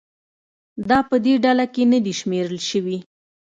دا په دې ډله کې نه دي شمېرل شوي.